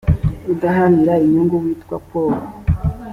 udaharanira inyungu witwa polo.